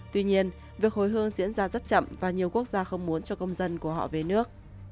tuy nhiên việc hồi hương diễn ra rất chậm và nhiều quốc gia không muốn cho công dân của họ về nước